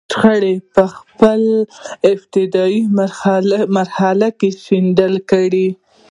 شخړه په خپله ابتدايي مرحله کې شنډه کړي.